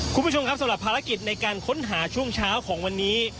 คุณผู้ชมครับสำหรับภารกิจในการค้นหาช่วงเช้าของวันนี้